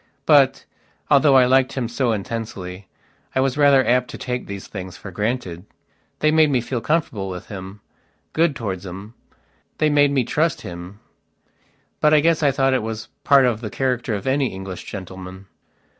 But, although I liked him so intensely, I was rather apt to take these things for granted. They made me feel comfortable with him, good towards him; they made me trust him. But I guess I thought it was part of the character of any English gentleman.